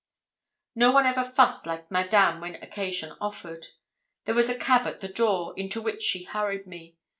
No one ever fussed like Madame when occasion offered. There was a cab at the door, into which she hurried me.